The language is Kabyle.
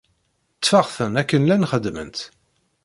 Ṭṭfeɣ-ten akken llan xeddmen-tt.